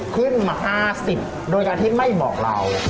ขึ้นมา๕๐โดยการที่ไม่บอกเรา